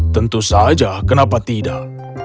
tentu saja kenapa tidak